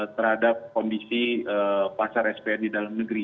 terhadap kondisi pasar spn di dalam negeri